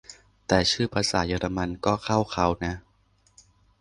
แต่ชื่อภาษาเยอรมันก็เข้าเค้านะ